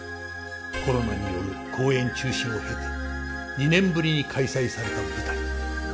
コロナによる公演中止を経て２年ぶりに開催された舞台。